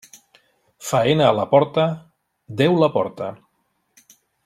Faena a la porta, Déu la porta.